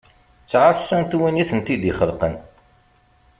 Ttɛasant win iten-id-ixelqen.